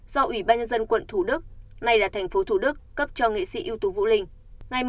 do ủy ban nhân dân quận thủ đức nay là thành phố thủ đức cấp cho nghệ sĩ ưu tú vũ linh